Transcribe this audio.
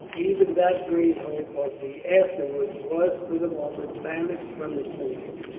Even that great hope of "the afterwards" was for the moment banished from his mind.